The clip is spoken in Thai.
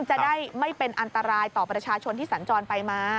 จะได้ไม่เป็นอันตรายต่อประชาชนที่สัญจรไปมา